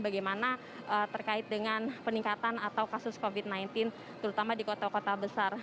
bagaimana terkait dengan peningkatan atau kasus covid sembilan belas terutama di kota kota besar